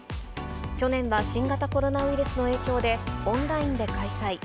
去年は新型コロナウイルスの影響で、オンラインで開催。